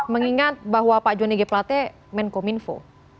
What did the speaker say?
mengingat bahwa pak johnny g pletih menkom info